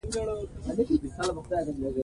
پامیر د افغانستان د طبیعي زیرمو برخه ده.